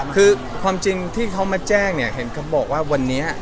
คือความจริงที่เขามาแจ้งเนี่ยเห็นเขาบอกว่าวันนี้